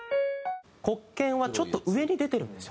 黒鍵はちょっと上に出てるんですよ。